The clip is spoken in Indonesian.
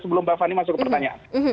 sebelum mbak fani masuk ke pertanyaan